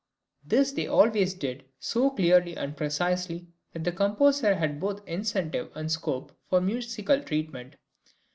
This they always did so clearly and precisely that the composer had both incentive and scope for musical treatment.